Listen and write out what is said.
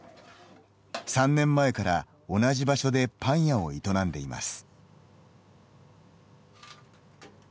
３年前から、同じ場所でパン屋を営んでいます。